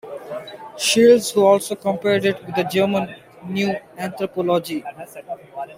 Shields, who also compared it with the German "Neue Anthropologie".